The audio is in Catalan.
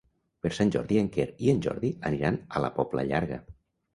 Per Sant Jordi en Quer i en Jordi aniran a la Pobla Llarga.